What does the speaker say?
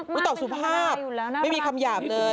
ตอบสุภาพไม่มีคำหยาบเลย